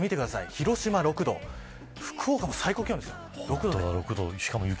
広島６度福岡も最高気温６度。